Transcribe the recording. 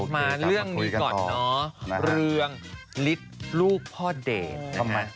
มาเรื่องนี้ก่อนเรื่องริดลูกพ่อเดช